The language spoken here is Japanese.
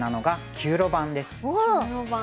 ９路盤。